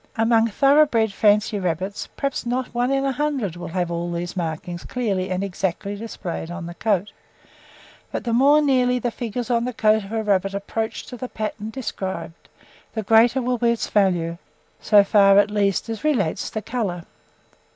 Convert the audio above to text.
"Among thorough bred fancy rabbits, perhaps not one in a hundred will have all these markings clearly and exactly displayed on the coat; but the more nearly the figures on the coat of a rabbit approach to the pattern described, the greater will be its value, so far, at least, as relates to colour.